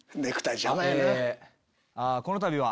このたびは。